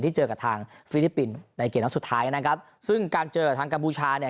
เจอกับทางฟิลิปปินส์ในเกมนัดสุดท้ายนะครับซึ่งการเจอกับทางกัมพูชาเนี่ย